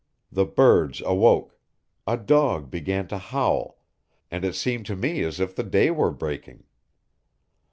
The birds awoke; a dog began to howl, and it seemed to me as if the day were breaking!